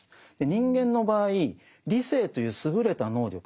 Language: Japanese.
人間の場合理性という優れた能力